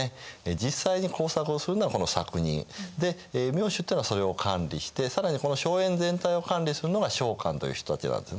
実際に耕作をするのはこの作人。で名主っていうのはそれを管理して更にこの荘園全体を管理するのが荘官という人たちなんですね。